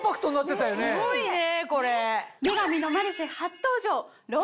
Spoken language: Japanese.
すごいねこれ。